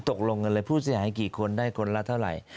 ตกลงกันเลยผู้เสียหายกี่คนได้คนละเท่าไหร่